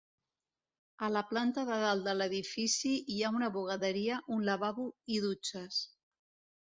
A la planta de dalt de l'edifici hi ha una bugaderia, un lavabo i dutxes.